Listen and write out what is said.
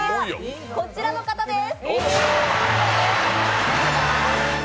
こちらの方です！